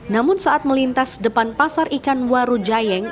namun saat melintas depan pasar ikan waru jayeng